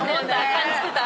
感じてた？